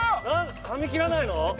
噛み切らないの？